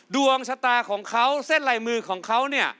ดวงชะตาของเขาเส้นลายมือของเขาเนี่ย